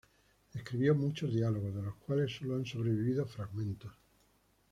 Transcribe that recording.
Escribió muchos diálogos, de los cuales solo han sobrevivido fragmentos.